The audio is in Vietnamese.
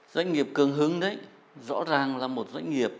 doanh nghiệp cường hưng đấy rõ ràng là một doanh nghiệp